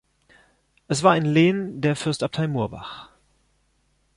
Es war ein Lehen der Fürstabtei Murbach.